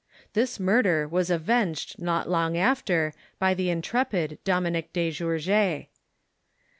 This murder Avas avenged not long after by the intrepid Dominic de Gourges.